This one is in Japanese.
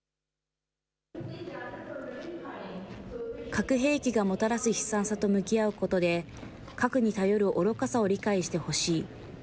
核兵器がもたらす悲惨さと向き合うことで、核に頼る愚かさを理解してほしい。